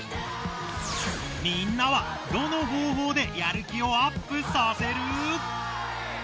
みんなは、どの方法でやる気をアップさせる？